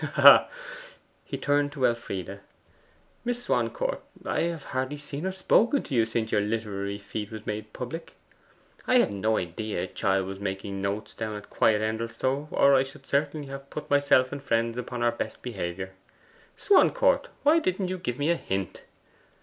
Ha ha!' He turned to Elfride. 'Miss Swancourt, I have hardly seen or spoken to you since your literary feat was made public. I had no idea a chiel was taking notes down at quiet Endelstow, or I should certainly have put myself and friends upon our best behaviour. Swancourt, why didn't you give me a hint!